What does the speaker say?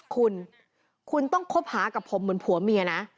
คุณคุณต้องคบหากับผมเหมือนผัวเมียนะ